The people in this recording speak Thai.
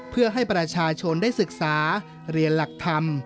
เพื่อให้ประชาชนได้ศึกษาเรียนหลักธรรม